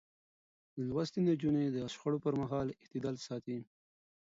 لوستې نجونې د شخړو پر مهال اعتدال ساتي.